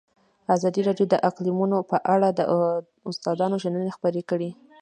ازادي راډیو د اقلیتونه په اړه د استادانو شننې خپرې کړي.